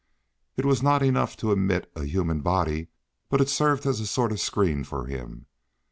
It was not enough to admit a human body, but it served as a sort of screen for him.